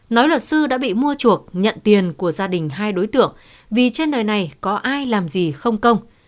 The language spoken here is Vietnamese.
nói luật sư đã bị mua chuộc nhận tiền của gia đình hai đối tượng vì trên đời này có ai làm gì không công